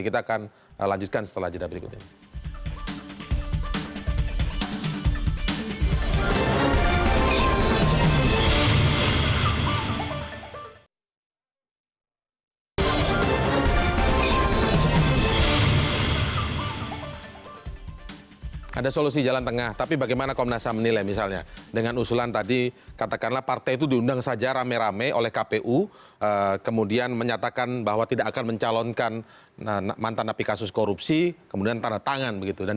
kita akan lanjutkan setelah jeda berikutnya